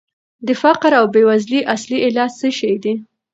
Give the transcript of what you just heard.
د فقر او بېوزلۍ اصلي علت څه شی دی؟